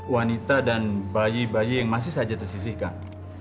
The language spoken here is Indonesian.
wanita dan bayi bayi yang masih saja tersisihkan